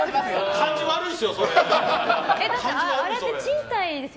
感じ悪いですよ！